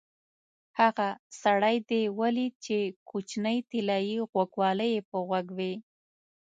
هغه سړی دې ولید چې کوچنۍ طلایي غوږوالۍ یې په غوږ وې؟